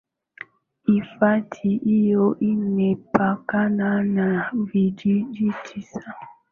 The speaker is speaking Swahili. Hifadhi hiyo imepakana na vijiji tisa